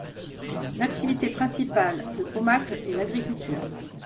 L’activité principale de Pomacle est l’agriculture.